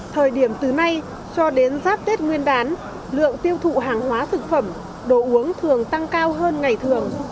thời điểm từ nay cho đến giáp tết nguyên đán lượng tiêu thụ hàng hóa thực phẩm đồ uống thường tăng cao hơn ngày thường